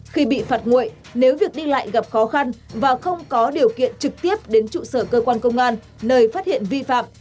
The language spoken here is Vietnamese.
khi bị phạt nguội nếu việc đi lại gặp khó khăn và không có điều kiện trực tiếp đến trụ sở cơ quan công an nơi phát hiện vi phạm